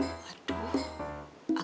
jangan sampai tau nyonya